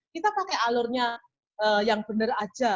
kita pakai alurnya yang benar aja